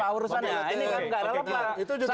apa urusannya ini tidak relevan